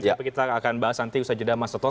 tapi kita akan bahas nanti usaha jeda mas toto